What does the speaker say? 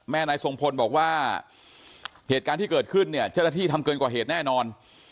นายทรงพลบอกว่าเหตุการณ์ที่เกิดขึ้นเนี่ยเจ้าหน้าที่ทำเกินกว่าเหตุแน่นอน